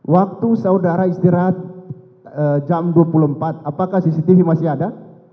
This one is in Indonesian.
waktu saudara istirahat jam dua puluh empat apakah cctv masih ada